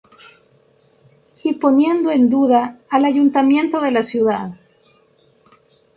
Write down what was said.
Y poniendo en duda al ayuntamiento de la ciudad.